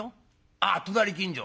「ああ隣近所？」。